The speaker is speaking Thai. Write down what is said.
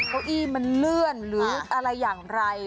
เก้าอี้มันเลื่อนหรืออะไรอย่างไร